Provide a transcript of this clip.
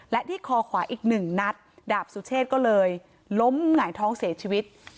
และที่คอขวาอีกหนึ่งนัดดาบสุเชษก็เลยล้มหงายท้องเสียชีวิต